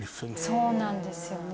そうなんですよね。